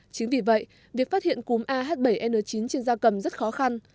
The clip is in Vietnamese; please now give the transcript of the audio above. chính vì vậy việc phát hiện cúm ah bảy n chín trên da cầm rất khó khăn